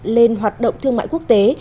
lên hoạt động thương mại quốc tế